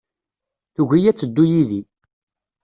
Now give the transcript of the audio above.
Tugi ad teddu yid-i.